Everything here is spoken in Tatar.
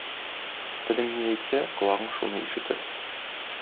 Тeлeң ни әйтсә, кoлaгың шуны ишeтeр.